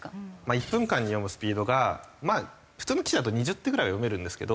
１分間に読むスピードがまあ普通の棋士だと２０手ぐらいは読めるんですけど。